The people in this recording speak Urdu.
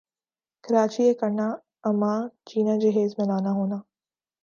کراچی یِہ کرنا اماں جینا جہیز میں لانا ہونا